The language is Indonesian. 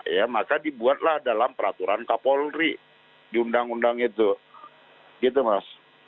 ya maka dibuatlah dalam peraturan kapolri di undang undang itu gitu mas